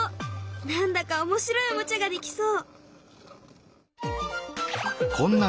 何だか面白いおもちゃができそう！